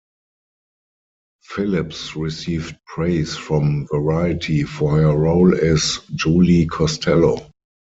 Phillips received praise from "Variety" for her role as Julie Costello.